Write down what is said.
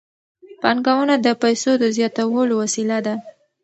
پانګونه د پیسو د زیاتولو وسیله ده.